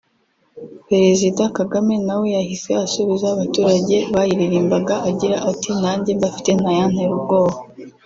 Perezida Kagame na we yahise asubiza abaturage bayiririmbaga agira ati “Nanjye mbafite ntayantera ubwoba